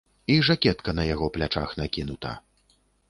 І жакетка на яго плячах накінута.